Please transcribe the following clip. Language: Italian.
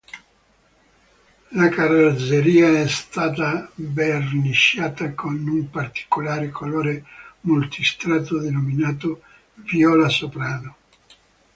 La carrozzeria è stata verniciata con un particolare colore multistrato denominato 'viola soprano'.